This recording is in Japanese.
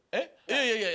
いやいやいや！